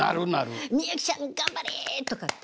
「美幸ちゃん頑張れ！」とかって。